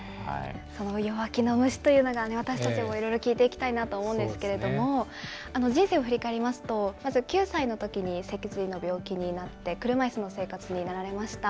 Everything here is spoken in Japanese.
その弱気の虫というのがね、私たちもいろいろ聞いていきたいなと思うんですけれども、人生を振り返りますと、まず９歳のときに脊髄の病気になって、車いすの生活になられました。